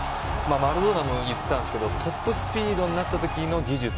マラドーナも言っていたんですがトップスピードになったときの技術。